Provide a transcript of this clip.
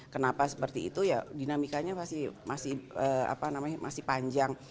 kenapa seperti itu ya dinamikanya masih apa namanya masih panjang